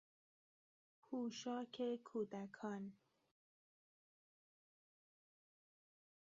پوشاک کودکان